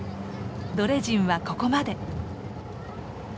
ドレジンはここまで。